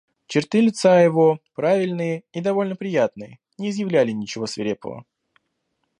Черты лица его, правильные и довольно приятные, не изъявляли ничего свирепого.